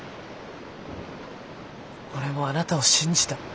俺もあなたを信じた。